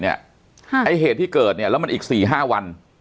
ไอ้เหตุที่เกิดเนี่ยแล้วมันอีก๔๕วัน